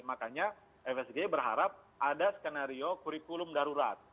makanya fsg berharap ada skenario kurikulum darurat